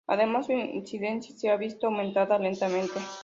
Además, su incidencia se ha visto aumentada lentamente.